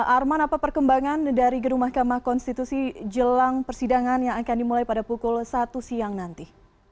arman apa perkembangan dari gedung mahkamah konstitusi jelang persidangan yang akan dimulai pada pukul satu siang nanti